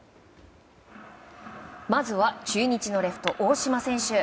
まずは中日のレフト、大島選手。